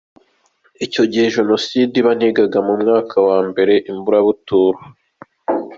Ati “Icyo gihe Jenoside iba nigaga mu mwaka wa Mbere i Mburabuturo.